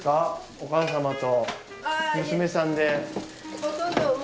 お母様と娘さんで。